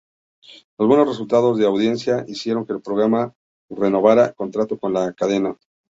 Los buenos resultados de audiencia hicieron que el programa renovara contrato con la cadena.